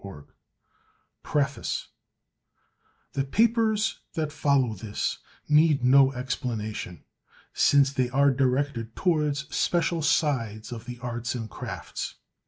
1893 PREFACE The papers that follow this need no explanation, since they are directed towards special sides of the Arts and Crafts.